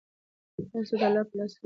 هر څه د الله په لاس کې دي.